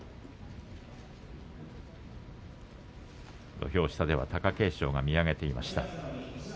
土俵下では貴景勝が見上げていました。